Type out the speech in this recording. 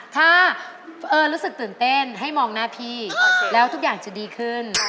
ถ้ารู้สึกตื่นเต้นให้มองหน้าพี่แล้วทุกอย่างจะดีขึ้น